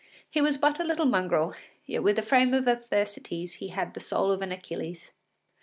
He was but a little mongrel, yet with the frame of a Thersites he had the soul of an Achilles.